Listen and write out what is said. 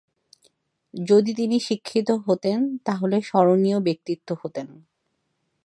যদি তিনি শিক্ষিত হতেন, তাহলে স্মরণীয় ব্যক্তিত্ব হতেন।